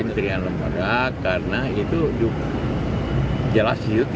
kementerian lembaga karena itu jelas itu tiga puluh empat